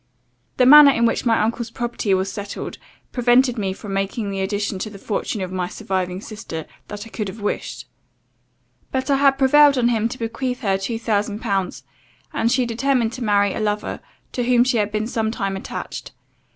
The manner in which my uncle's property was settled, prevented me from making the addition to the fortune of my surviving sister, that I could have wished; but I had prevailed on him to bequeath her two thousand pounds, and she determined to marry a lover, to whom she had been some time attached.